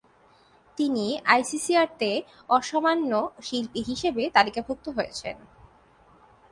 তিনি আইসিসিআর-তে ‘অসামান্য শিল্পী’ হিসাবে তালিকাভুক্ত হয়েছেন।